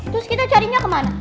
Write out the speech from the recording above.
terus kita carinya kemana